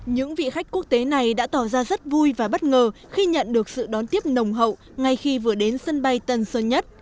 những vị khách quốc tế này đã tỏ ra rất vui và bất ngờ khi nhận được sự đón tiếp nồng hậu ngay khi vừa đến sân bay tân sơn nhất